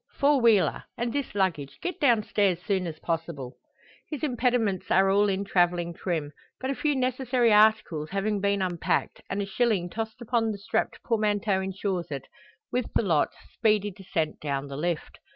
four wheeler. And this luggage; get down stairs soon as possible." His impediments are all in travelling trim but a few necessary articles having been unpacked, and a shilling tossed upon the strapped portmanteau ensures it, with the lot, speedy descent down the lift.